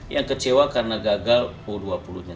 yang kecewa karena gagal u dua puluh nya